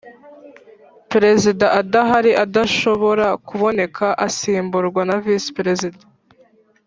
Perezida adahari adashobora kuboneka asimburwa na Visi perezida